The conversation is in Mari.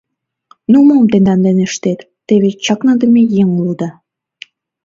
— Ну, мом тендан дене ыштет, те вет чакныдыме еҥ улыда!